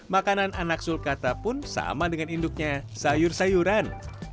makanan anak sulkata pun sama dengan induknya sayur sayuran